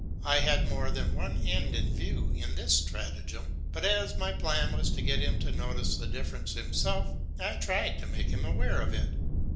I had more than one end in view in this stratagem; but as my plan was to get him to notice the difference himself, I tried to make him aware of it.